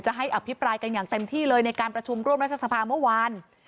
ให้อภิปรายกันอย่างเต็มที่เลยในการประชุมร่วมรัฐสภาเมื่อวาน